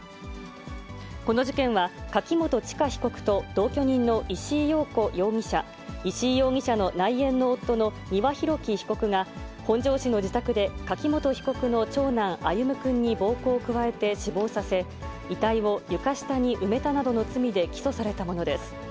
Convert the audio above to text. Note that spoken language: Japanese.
この事件は、柿本知香被告と、同居人の石井陽子容疑者、石井容疑者の内縁の夫の丹羽洋樹被告が本庄市の自宅で、柿本被告の長男、歩夢くんに暴行を加えて死亡させ、遺体を床下に埋めたなどの罪で起訴されたものです。